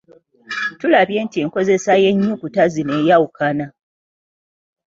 Tulabye nti enkozesa y'ennyukuta zino eyawukana.